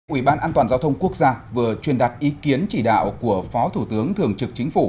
ủy ban an toàn giao thông quốc gia vừa truyền đặt ý kiến chỉ đạo của phó thủ tướng thường trực chính phủ